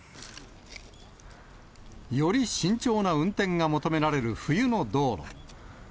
より慎重な運転が求められる冬の道路。